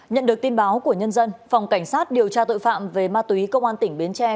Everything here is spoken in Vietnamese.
nhận được tin báo của nhân dân phòng cảnh sát điều tra tội phạm về ma túy công an tỉnh bến tre